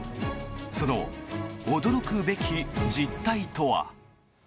その驚くべき実態とは。